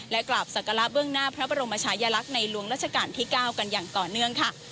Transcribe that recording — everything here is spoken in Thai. กราบศักระเบื้องหน้าพระบรมชายลักษณ์ในหลวงราชการที่๙กันอย่างต่อเนื่องค่ะ